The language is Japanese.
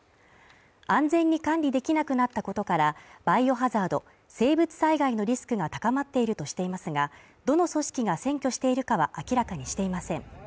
安全に管理できなくなったことから、バイオ・ハザード＝生物災害のリスクが高まっているとしていますが、どの組織が占拠しているかは明らかにしていません。